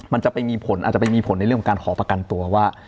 มันจะไปมีผลอาจจะไปมีผลในเรื่องของการขอประกันตัวว่า